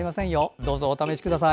どうぞお試しください。